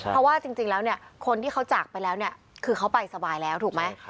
เพราะว่าจริงแล้วเนี่ยคนที่เขาจากไปแล้วเนี่ยคือเขาไปสบายแล้วถูกไหม